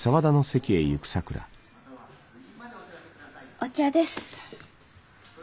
お茶です。